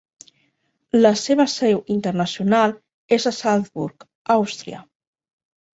La seva seu internacional és a Salzburg, Àustria.